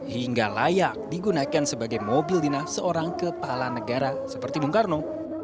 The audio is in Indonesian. hingga layak digunakan sebagai mobil dinas seorang kepala negara seperti bung karno